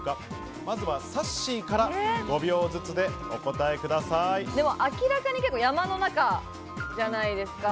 まずはさっしーから５秒ずつでお答えく明らかに山の中じゃないですか。